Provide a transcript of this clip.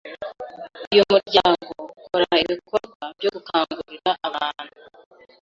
Uyu muryango ukora ibikorwa byo gukangurira abantu